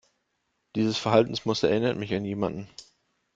Dieses Verhaltensmuster erinnert mich an jemanden.